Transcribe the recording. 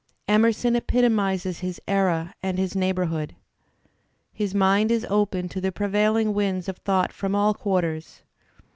Emerson epitomizes his era and his neighbourhood. His mind is open to the prevailing winds oi thought from all quarters.